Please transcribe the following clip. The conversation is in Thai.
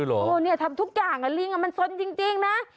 นะแต่ล๊อคตาการไหวเนี่ยนี่มันทำทุกอย่างนะลิงมันสนจริงนะ